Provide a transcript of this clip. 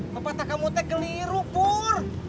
pepatah kamu teh keliru pur